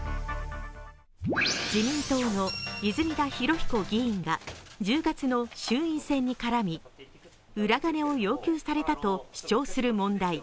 自民党の泉田裕彦議員が１０月の衆院選に絡み、裏金を要求されたと主張する問題。